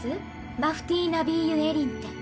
マフティー・ナビーユ・エリンって。